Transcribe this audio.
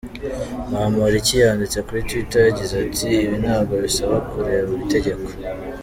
Bamporiki yanditse kuri Twitter Yagize ati “Ibi ntabwo bisaba kureba itegeko.